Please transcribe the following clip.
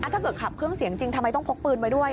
ถ้าเกิดขับเครื่องเสียงจริงทำไมต้องพกปืนไว้ด้วย